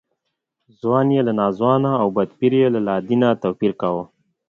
ځوان یې له ناځوانه او بدپیره له لادینه توپیر کاوه.